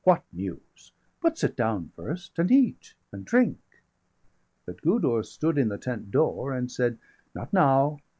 205 What news? but sit down first, and eat and drink." But Gudurz stood in the tent door, and said: "Not now!